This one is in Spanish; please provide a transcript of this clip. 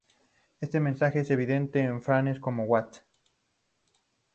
Este mensaje es evidente en frases como: "What?